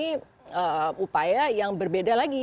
dia mempunyai upaya yang berbeda lagi